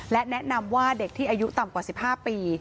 และแนะนำว่าเด็กที่อายุต่ำกว่า๑๕ปี